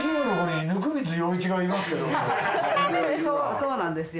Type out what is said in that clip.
そうなんですよ。